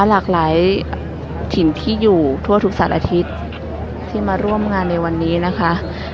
หลากหลายถิ่นที่อยู่ทั่วทุกสัตว์อาทิตย์ที่มาร่วมงานในวันนี้นะคะ